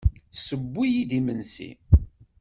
Tesseww-iyi-d imensi.